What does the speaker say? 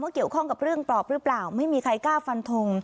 เกี่ยวข้องกับเรื่องปลอบหรือเปล่าไม่มีใครกล้าฟันทง